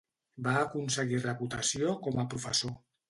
Va aconseguir reputació com a professor.